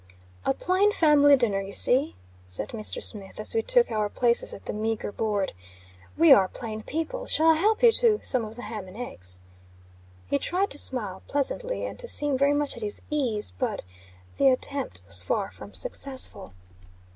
"A plain family dinner, you see," said Mr. Smith, as we took our places at the meagre board. "We are plain people. Shall I help you to some of the ham and eggs?" He tried to smile pleasantly, and to seem very much at his ease. But, the attempt was far from successful.